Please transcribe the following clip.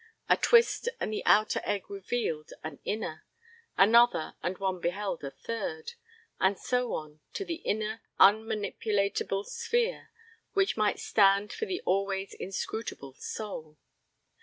A twist and the outer egg revealed an inner. Another and one beheld a third. And so on to the inner unmanipulatable sphere, which might stand for the always inscrutable soul.